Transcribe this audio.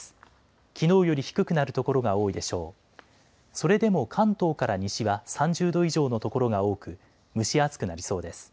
それでも関東から西は３０度以上の所が多く蒸し暑くなりそうです。